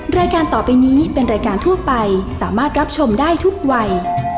รายการต่อไปนี้เป็นรายการทั่วไปสามารถรับชมได้ทุกวัย